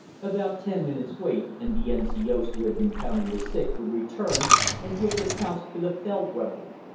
After ten minutes' wait, the N.C.O.'s who had been counting the sick would return and give their counts to the Feldwebel.